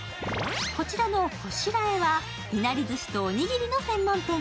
こちらのこしらへは、いなりずしとおにぎりの専門店。